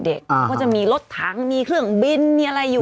เขาก็จะมีรถถังมีเครื่องบินมีอะไรอยู่